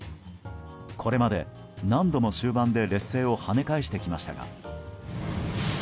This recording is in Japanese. これまで何度も終盤で劣勢を跳ね返してきましたが。